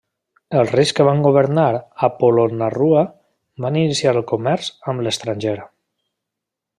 Els reis que van governar a Polonnaruwa van iniciar el comerç amb l'estranger.